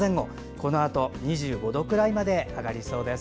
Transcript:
このあと２５度くらいまで上がりそうです。